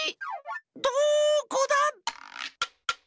どこだ？